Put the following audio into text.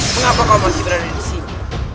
mengapa kau masih berada di sini